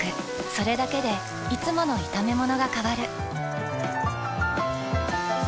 それだけでいつもの炒めものが変わる。